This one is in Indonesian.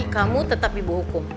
kamu tetap ibu hukum